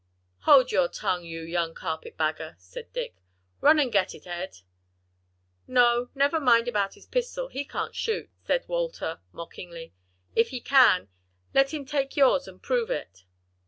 "Hold your tongue, you young carpet bagger," said Dick. "Run and get it, Ed." "No, never mind about his pistol, he can't shoot," said Walter, mockingly. "If he can, let him take yours and prove it."